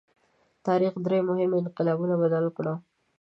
تاریخ درې مهمو انقلابونو بدل کړ.